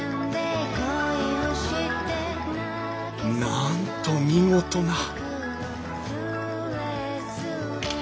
なんと見事な！